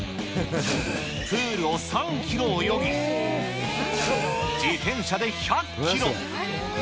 プールを３キロ泳ぎ、自転車で１００キロ。